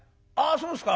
そうですか。